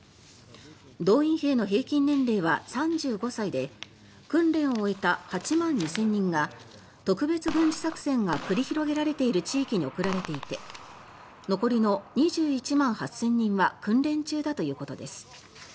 動員兵の平均年齢は３５歳で訓練を終えた８万２０００人が特別軍事作戦が繰り広げられている地域に送られていて残りの２１万８０００人は訓練中だということです。